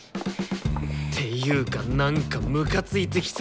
っていうかなんかムカついてきた！